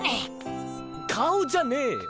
顔じゃねえよ。